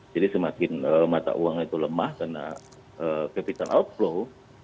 jadi semakin mata uang itu lemah karena capital outflow